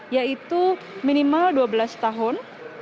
yaitu minimal dua belas tahun